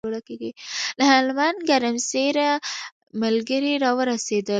له هلمند ګرمسېره ملګري راورسېدل.